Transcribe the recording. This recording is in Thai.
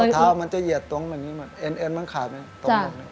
เท้ามันจะเหยียดตรงแบบนี้เอ็นมันขายไปตรงนี้